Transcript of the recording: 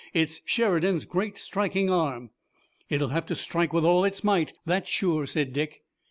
It's Sheridan's great striking arm." "It'll have to strike with all its might, that's sure," said Dick.